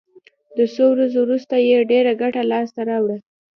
د څو ورځو وروسته یې ډېره ګټه لاس ته راوړه.